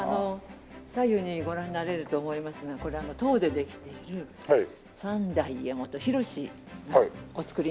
左右にご覧になれると思いますがこれ陶でできている三代家元宏がお作りになった。